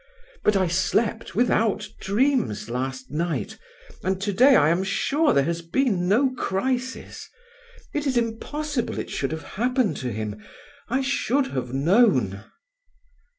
But I slept without dreams last night, and today I am sure there has been no crisis. It is impossible it should have happened to him: I should have known."